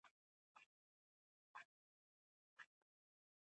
خویندې یې په سترګو کې نیغې ورننوتلې.